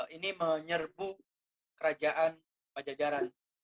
ini menyerbu kerajaan pajajaran